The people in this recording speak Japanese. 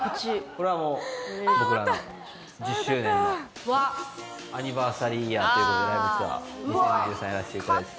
これは僕らの１０周年のアニバーサリーイヤーという事でＬＩＶＥＴＯＵＲ２０２３やらせていただいてて。